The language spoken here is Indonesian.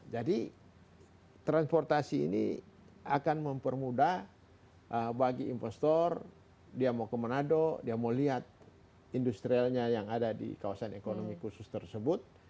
jadi transportasi ini akan mempermudah bagi investor dia mau ke manado dia mau lihat industrialnya yang ada di kawasan ekonomi khusus tersebut